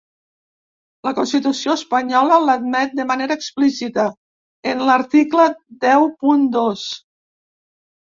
La constitució espanyola, l’admet de manera explícita en l’article deu punt dos.